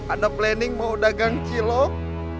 ada planning mau dagang cilok